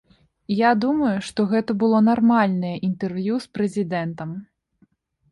Я думаю, што гэта было нармальнае інтэрв'ю з прэзідэнтам.